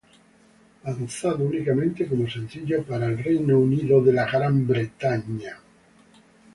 Lanzado únicamente como sencillo para Reino Unido.